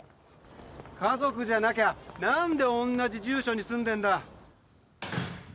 家族じゃなきゃ何でおんなじ住所に住んでんだ？